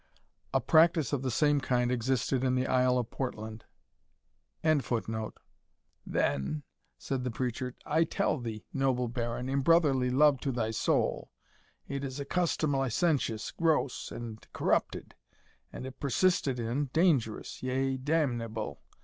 A practice of the same kind existed in the Isle of Portland.] "Then," said the preacher, "I tell thee, noble Baron, in brotherly love to thy soul, it is a custom licentious, gross, and corrupted, and, if persisted in, dangerous, yea, damnable.